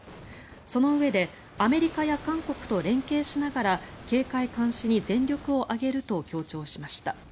そのうえでアメリカや韓国と連携しながら警戒監視に全力を挙げると強調しました。